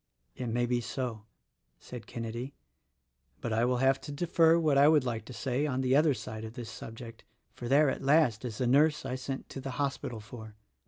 "It may be so," said Kenedy, "but I will have to defer what I would like to say on the other side of this subject, for there at last, is the nurse I'sent to the hospital for.